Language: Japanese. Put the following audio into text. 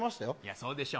そうでしょう。